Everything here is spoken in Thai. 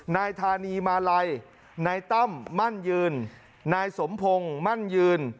นายธานีมาลัยนายตั้มมั่นยืนนายสมพงศ์มั่นยืน